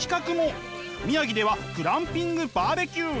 宮城ではグランピングバーベキュー。